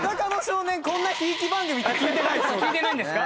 聞いてないんですか？